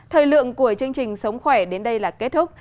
thời lượng của chương trình sống khỏe đến đây là kết thúc